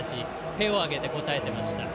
手を上げて応えていました。